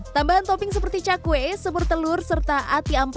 tambahan topping seperti cakwe semur telur serta ati amaran